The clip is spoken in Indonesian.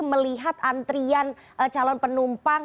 melihat antrian calon penumpang